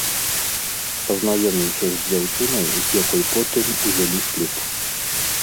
Пазнаёміўся з дзяўчынай, з якой потым узялі шлюб.